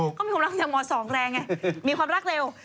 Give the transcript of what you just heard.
เขามีความรักยังดังกว่าม๒แรงไงมีความรักเร็ว